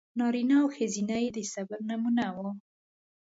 نارینه او ښځینه یې د صبر نمونه و.